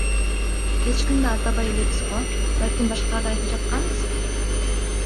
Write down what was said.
Эч кимди атабай элебиз го, балким башкаларды айтып жатканбыз.